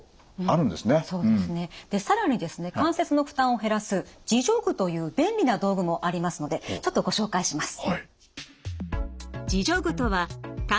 関節の負担を減らす自助具という便利な道具もありますのでちょっとご紹介します。